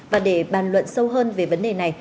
và để bàn luận sâu hơn về vấn đề này